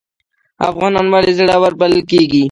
افغانان ولې زړور بلل کیږي؟